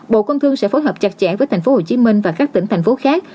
bộ công thương sẽ phối hợp chặt chẽ với tp hcm và các tỉnh thành phố khác